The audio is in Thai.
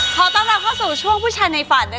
ขอต้อนรับเข้าสู่ช่วงผู้ชายในฝัน